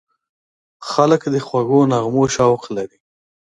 خلک د خوږو نغمو شوق لري.